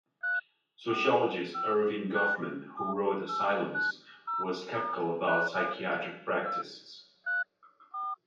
Sociologist Erving Goffman, who wrote Asylums, was skeptical about psychiatric practices.